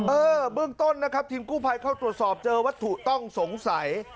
เออเบื้องต้นนะครับทีมกู้ภัยเข้าตรวจสอบเจอวัตถุต้องสงสัย